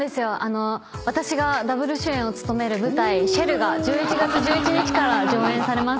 私がダブル主演を務める舞台『ＳＨＥＬＬ』が１１月１１日から上演されます。